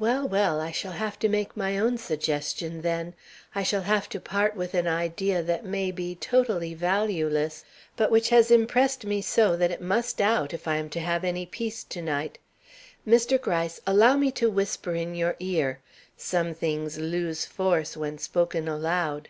Well, well, I shall have to make my own suggestion, then. I shall have to part with an idea that may be totally valueless, but which has impressed me so that it must out, if I am to have any peace to night. Mr. Gryce, allow me to whisper in your ear. Some things lose force when spoken aloud."